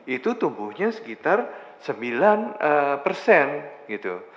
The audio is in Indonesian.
itu tumbuhnya sekitar sembilan persen gitu